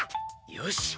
よし。